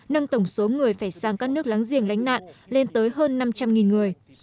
nâng tổng số người phải sang các nước láng giềng lánh nạn lên tới hơn năm trăm linh người